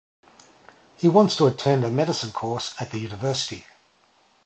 He wants to attend a medicine course at the university.